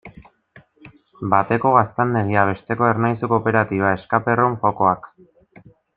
Bateko gaztandegia, besteko Ernaizu kooperatiba, escape-room jokoak...